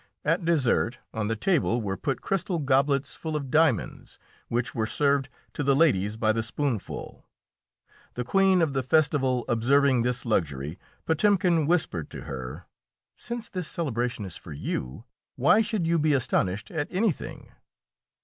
At dessert, on the table were put crystal goblets full of diamonds, which were served to the ladies by the spoonful. The queen of the festival observing this luxury, Potemkin whispered to her, "Since this celebration is for you, why should you be astonished at anything?"